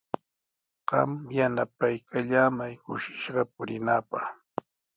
Qam yanapaykallamay kushishqa purinaapaq.